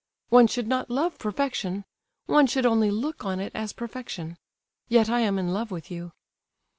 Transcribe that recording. One should not love perfection. One should only look on it as perfection—yet I am in love with you.